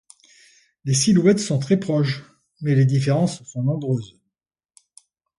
Les silhouettes sont très proches, mais les différences sont nombreuses.